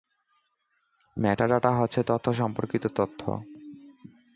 Metadata হচ্ছে তথ্য সম্পর্কিত তথ্য।